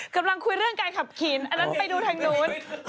กำลังคุยเรื่องการขับขี่อันนั้นไปดูทางนู้น